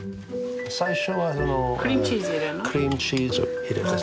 最初はクリームチーズを入れます。